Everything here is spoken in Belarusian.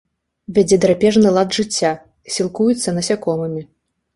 Вядзе драпежны лад жыцця, сілкуецца насякомымі.